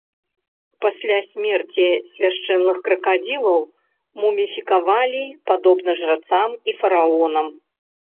Пасля смерці свяшчэнных кракадзілаў муміфікавалі, падобна жрацам і фараонам.